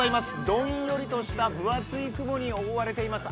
どんよりとした分厚い雲に覆われています。